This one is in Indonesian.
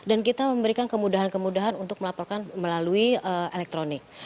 dan kita memberikan kemudahan kemudahan untuk melaporkan melalui elektronik